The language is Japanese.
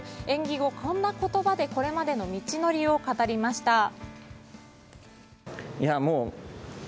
演技後、こんな言葉でこれまでの道のりを語りました。